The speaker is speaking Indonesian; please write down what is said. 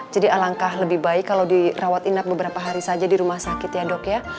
jadi alangkah lebih baik kalo dirawat inap beberapa hari saja di rumah sakit ya dok ya